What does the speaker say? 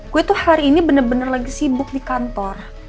gue tuh hari ini bener bener lagi sibuk di kantor